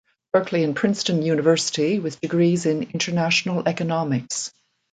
Berkeley and Princeton University with degrees in international economics.